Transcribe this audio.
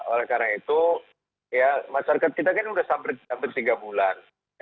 oleh karena itu masyarakat kita kan sudah hampir tiga bulan